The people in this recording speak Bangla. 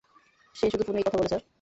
সে শুধু ফোনেই কথা বলে, স্যার।